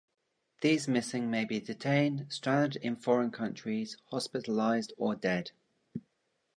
These missing may be detained, stranded in foreign countries, hospitalized or dead.